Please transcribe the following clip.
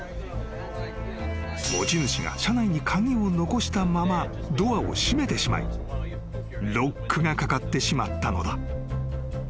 ［持ち主が車内に鍵を残したままドアを閉めてしまいロックが掛かってしまったのだ］